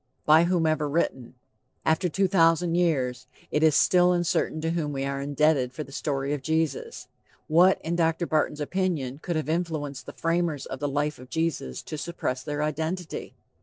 By whomever written! After two thousand years, it is still uncertain to whom we are indebted for the story of Jesus. What, in Dr. Barton's opinion, could have influenced the framers of the life of Jesus to suppress their identity?